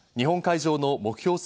日本海上の目標